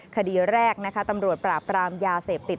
คดีแรกนะคะตำรวจปราบปรามยาเสพติด